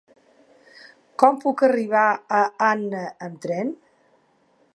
Com puc arribar a Anna amb tren?